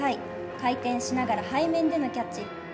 回転しながら背面でのキャッチ。